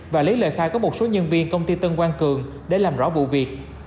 và lấy lời khai của một số nhân viên công ty tân quang cường để làm rõ vụ việc